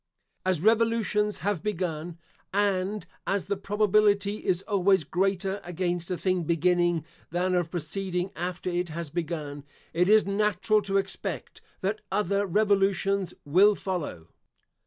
As revolutions have begun (and as the probability is always greater against a thing beginning, than of proceeding after it has begun), it is natural to expect that other revolutions will follow.